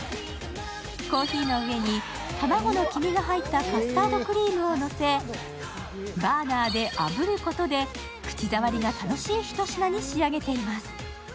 コーヒーの上に卵の黄身が入ったカスタードクリームをのせ、バーナーであぶることで口触りが楽しいひと品に仕上げています。